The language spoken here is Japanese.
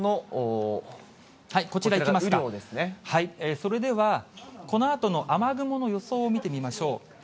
それでは、このあとの雨雲の予想を見てみましょう。